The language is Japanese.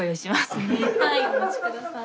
はいお待ち下さい。